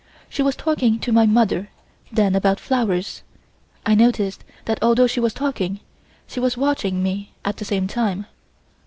She was talking to my mother then about flowers. I noticed that although she was talking, she was watching me at the same time.